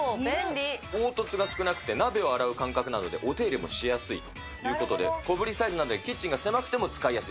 凹凸が少なくて、鍋を洗う感覚なので、お手入れもしやすいということで、小ぶりサイズなんで、キッチンが狭くても使いやすい。